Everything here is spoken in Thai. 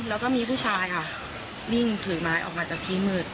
แล้วก็มีผู้ชายค่ะวิ่งถือไม้ออกมาจากที่มืด